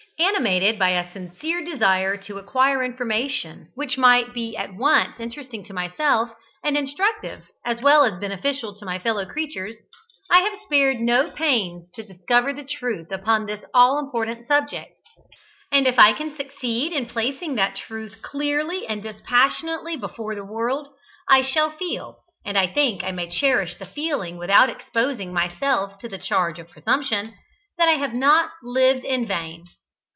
Animated by a sincere desire to acquire information, which might be at once interesting to myself, and instructive as well as beneficial to my fellow creatures, I have spared no pains to discover the truth upon this all important subject; and if I can succeed in placing that truth clearly and dispassionately before the world, I shall feel and I think I may cherish the feeling without exposing myself to the charge of presumption, that I have not lived in vain.